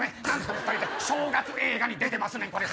２人で正月映画に出てますねん。